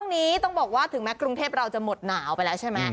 นี้ต้องบอกว่าถึงแม้กรุงเทพเราจะหมดหนาวไปแล้วใช่ไหม